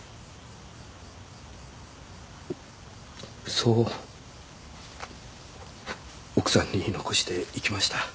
そう奥さんに言い残していきました。